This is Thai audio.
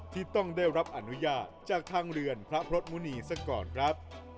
ที่ต้องได้รับอนุญาตจากทางเรือนพระพรสมุณีซะก่อนครับ